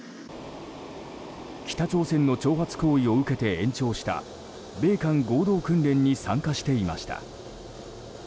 北朝鮮の挑発行為を受けて延長した米韓合同訓練に参加していました。